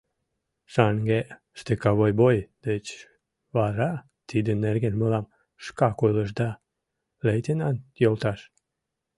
— Шаҥге штыковой бой деч вара тидын нерген мылам шкак ойлышда, лейтенант йолташ.